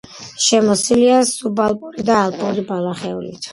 შემოსილია სუბალპური და ალპური ბალახეულით.